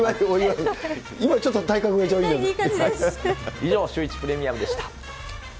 以上、シューイチプレミアムでした。